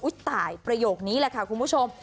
ตายประโยคนี้แหละค่ะคุณผู้ชม